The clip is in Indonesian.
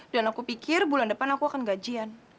dan aku pikir bulan depan aku akan gajian